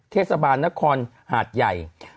เทศบาลนครหาดใหญ่